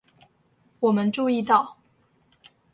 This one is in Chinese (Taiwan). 我們注意到